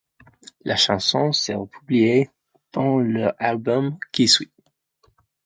La chanson sera publiée dans leur album qui suit.